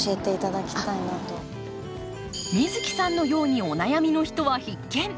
美月さんのようにお悩みの人は必見！